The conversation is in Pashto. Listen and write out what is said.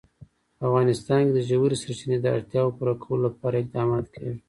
په افغانستان کې د ژورې سرچینې د اړتیاوو پوره کولو لپاره اقدامات کېږي.